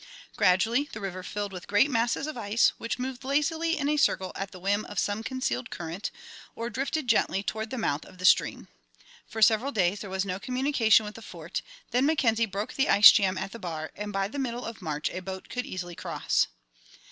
Gradually the river filled with great masses of ice, which moved lazily in a circle at the whim of some concealed current, or drifted gently toward the mouth of the stream. For several days there was no communication with the Fort; then Mackenzie broke the ice jam at the bar, and by the middle of March a boat could easily cross.